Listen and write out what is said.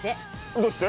どうして？